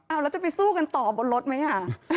เอาแล้วจะไปสู้กันต่อบนรถไหมอ่ะ